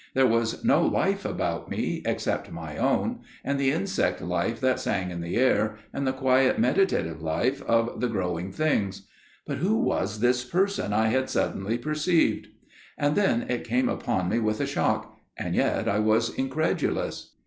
There was no life about me, except my own, and the insect life that sang in the air, and the quiet meditative life of the growing things. But who was this Person I had suddenly perceived? And then it came upon me with a shock, and yet I was incredulous.